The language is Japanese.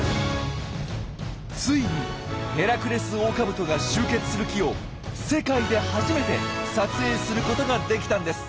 ついにヘラクレスオオカブトが集結する木を世界で初めて撮影することができたんです！